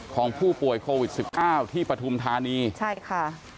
ของผู้ป่วยโควิดสิบเก้าที่ปฐุมธานีใช่ค่ะ